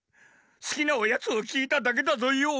すきなおやつをきいただけだぞよ。